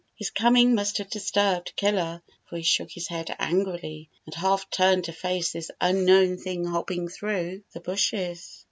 His coming must have disturbed Killer, for he shook his head angrily, and half turned to face this unknown thing hopping through the hushes.